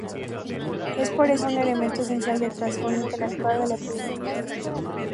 Es por eso un elemento esencial del trasfondo intelectual de la epidemiología.